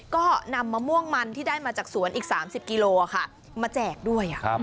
ก็นำมะม่วงมันที่ได้มาจากสวนอีก๓๐กิโลมาแจกด้วย